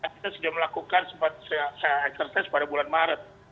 kita sudah melakukan sempat exercise pada bulan maret